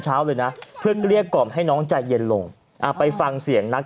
เช้าเลยนะเพื่อเกลี้ยกล่อมให้น้องใจเย็นลงไปฟังเสียงนัก